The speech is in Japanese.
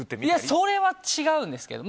それは違うんですけど。